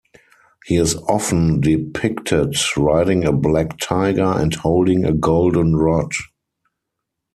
He is often depicted riding a black tiger and holding a golden rod.